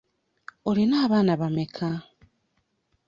Olina abaana bameka?